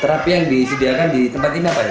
terapi yang disediakan di tempat ini apa ya